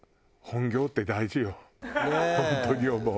本当に思う。